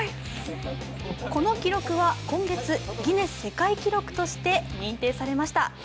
この記録は今月、ギネス世界記録として認定されました。